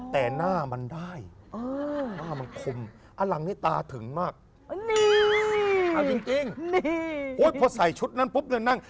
แต่หน้ามันได้หน้ามันคุมอาหลังนี้ตาถึงมากพอใส่ชุดนั้นปุ๊บนั่นนั่ง